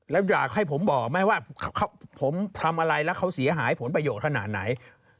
แล้วอยากให้ผมบอกไหมว่าผมทำอะไรแล้วเขาเสียหายผลประโยชน์ขนาดไหน